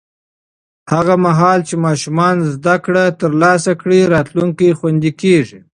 هغه مهال چې ماشومان زده کړه ترلاسه کړي، راتلونکی خوندي کېږي.